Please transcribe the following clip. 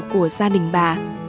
của gia đình bà